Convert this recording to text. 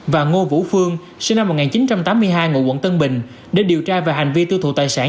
và ngô vũ phương sinh năm một nghìn chín trăm tám mươi hai ngụ quận tân bình để điều tra về hành vi tiêu thụ tài sản